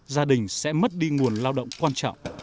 gia đình sẽ mất đi nguồn lao động quan trọng